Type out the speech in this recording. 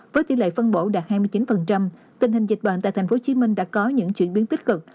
với tỷ lệ phân bổ đạt hai mươi chín tình hình dịch bệnh tại tp hcm đã có những chuyển biến tích cực